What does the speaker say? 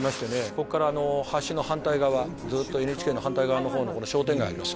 こっから橋の反対側ずっとＮＨＫの反対側の方のこの商店街あります